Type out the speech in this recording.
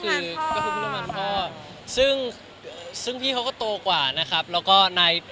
แล้วก็แล้วแต่ก็จะคิด